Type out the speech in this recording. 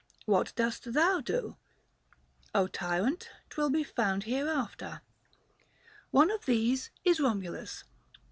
What dost thou do ? tyrant ! 'twill be found Hereafter, — one of these is Eomulus.